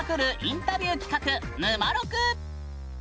インタビュー企画「ぬまろく」。